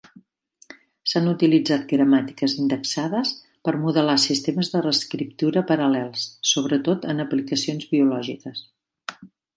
S'han utilitzat gramàtiques indexades per modelar sistemes de reescriptura paral·lels, sobre tot en aplicacions biològiques.